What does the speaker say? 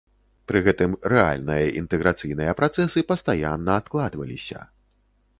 Пры гэтым рэальныя інтэграцыйныя працэсы пастаянна адкладваліся.